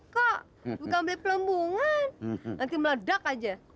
kok bukan beli pelemungan nanti meledak aja